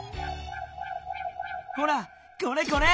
ほらこれこれ。